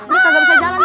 ini kagak bisa jalan nih